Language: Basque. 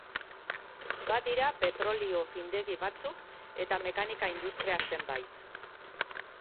Badira petrolio-findegi batzuk eta mekanika-industria zenbait.